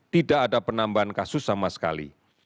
tidak ada penambahan kasus sama sekali